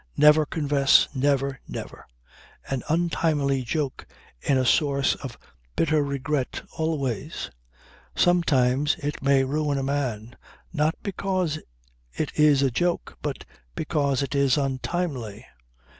Never confess! Never, never! An untimely joke is a source of bitter regret always. Sometimes it may ruin a man; not because it is a joke, but because it is untimely.